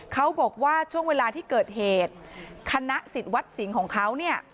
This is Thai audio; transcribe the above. เขาบอกว่าช่วงเวลาที่เกิดเหตุคณะสิทธิ์วัดสิงห์ของเขาเนี่ย